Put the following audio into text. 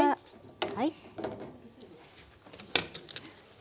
はい。